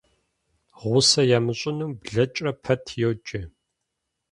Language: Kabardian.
Гъусэ ямыщӀынум блэкӀрэ пэт йоджэ.